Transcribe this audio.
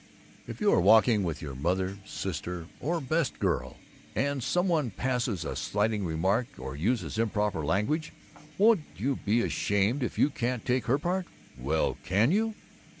If you are walking with your mother, sister or best girl and some one passes a slighting remark or uses improper language, won't you be ashamed if you can't take her part? Well, can you?